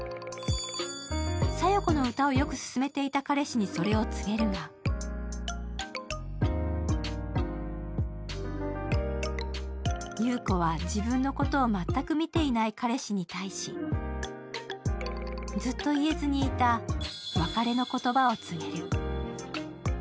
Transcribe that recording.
小夜子の歌をよく勧めていた彼氏にそれを告げるが、優子は自分のことを全く見ていない彼氏に対しずっと言えずにいた別れの言葉を告げる。